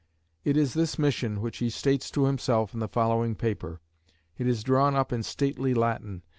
It is this mission which he states to himself in the following paper. It is drawn up in "stately Latin."